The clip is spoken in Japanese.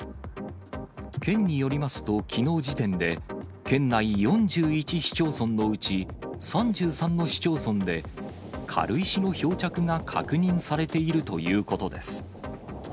県によりますと、きのう時点で、県内４１市町村のうち、３３の市町村で軽石の漂着が確認されているということです。